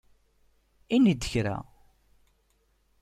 Ini-d kra!